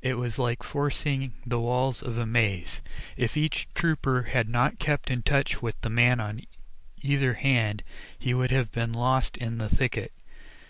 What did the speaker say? It was like forcing the walls of a maze. If each trooper had not kept in touch with the man on either hand he would have been lost in the thicket.